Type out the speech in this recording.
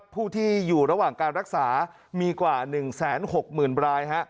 ผู้ที่อยู่ระหว่างการรักษามีกว่าหนึ่งแสนหกหมื่นปราย